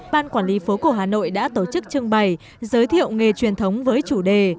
ban quản lý phố cổ hà nội đã tổ chức trưng bày giới thiệu nghề truyền thống với chủ đề